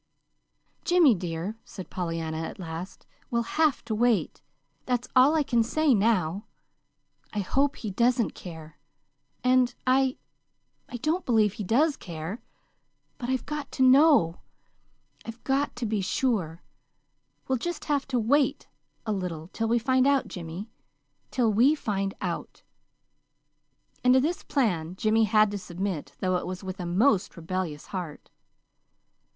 "Jimmy, dear," said Pollyanna, at last, "we'll have to wait. That's all I can say now. I hope he doesn't care; and I I don't believe he does care. But I've got to KNOW. I've got to be sure. We'll just have to wait, a little, till we find out, Jimmy till we find out!" And to this plan Jimmy had to submit, though it was with a most rebellious heart.